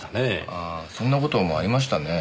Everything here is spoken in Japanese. ああそんな事もありましたね。